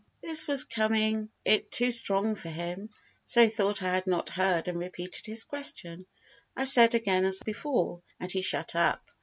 This was coming it too strong for him, so he thought I had not heard and repeated his question. I said again as before, and he shut up.